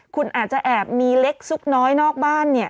คุณอาจจะแอบมีเล็กซุกน้อยนอกบ้านเนี่ย